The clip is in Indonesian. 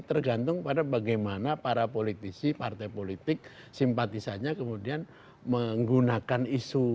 tergantung pada bagaimana para politisi partai politik simpatisannya kemudian menggunakan isu